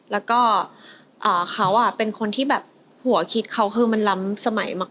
แล้วก็เขาเป็นคนที่แบบหัวคิดเขาคือมันล้ำสมัยมาก